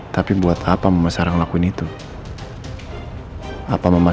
tapi papa juga harus janji kepada kami